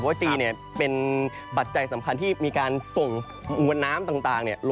เพราะว่าชีพเป็นบัตรใจสำคัญที่มีการส่งหุมกว่าน้ำต่าง